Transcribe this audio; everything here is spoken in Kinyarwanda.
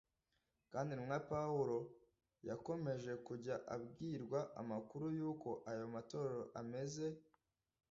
kandi intumwa Pawulo yakomeje kujya abwirwa amakuru y’uko ayo matorero ameze